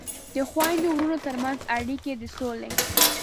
د خویندو ورونو ترمنځ اړیکې د سولې